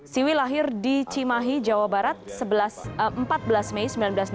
siwi lahir di cimahi jawa barat empat belas mei seribu sembilan ratus enam puluh